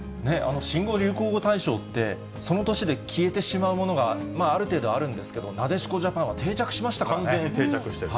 新語・流行語大賞って、その年で消えてしまうものがある程度あるんですけど、なでしこジ完全に定着している。